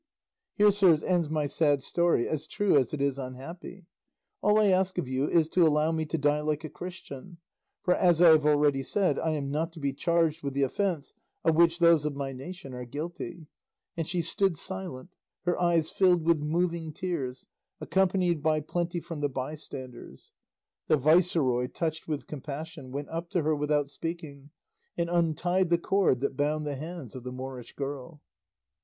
Here, sirs, ends my sad story, as true as it is unhappy; all I ask of you is to allow me to die like a Christian, for, as I have already said, I am not to be charged with the offence of which those of my nation are guilty;" and she stood silent, her eyes filled with moving tears, accompanied by plenty from the bystanders. The viceroy, touched with compassion, went up to her without speaking and untied the cord that bound the hands of the Moorish girl.